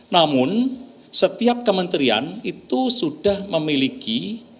namun setiap kementerian itu sudah memiliki